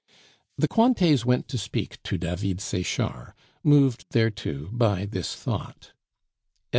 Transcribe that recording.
The Cointets went to speak to David Sechard, moved thereto by this thought.